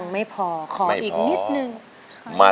ไม่พอขออีกนิดนึง